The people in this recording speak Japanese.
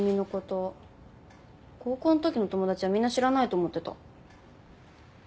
高校んときの友達はみんな知らないと思ってた。